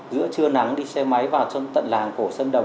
giữa trưa nắng đi xe máy vào trong tận làng cổ sơn đồng